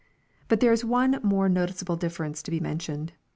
But there is one more noticeable difference to be mentioned.